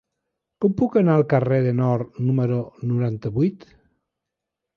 Com puc anar al carrer del Nord número noranta-vuit?